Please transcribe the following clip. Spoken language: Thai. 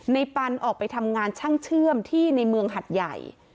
ปันออกไปทำงานช่างเชื่อมที่ในเมืองหัดใหญ่